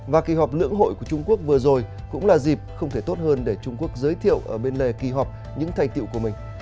và kỳ họp lưỡng hội của trung quốc vừa rồi cũng là dịp không thể tốt hơn để trung quốc giới thiệu ở bên lề kỳ họp những thành tiệu của mình